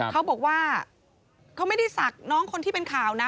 เขาบอกว่าเขาไม่ได้ศักดิ์น้องคนที่เป็นข่าวนะ